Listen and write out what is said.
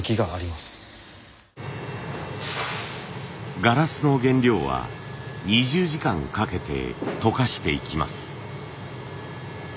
ガラスの原料は２０時間かけて溶かしていきます。